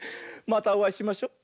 またおあいしましょ。